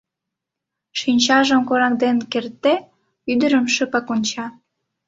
Шинчажым кораҥден кертде, ӱдырым шыпак онча.